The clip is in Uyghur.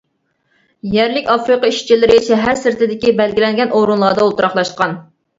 يەرلىك ئافرىقا ئىشچىلىرى شەھەر سىرتىدىكى بەلگىلەنگەن ئورۇنلاردا ئولتۇراقلاشقان.